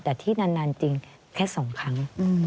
แต่ที่นานจริงแค่๒ครั้ง